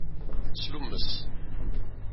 Slummes.